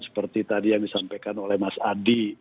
seperti tadi yang disampaikan oleh mas adi